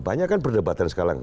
banyak kan perdebatan sekarang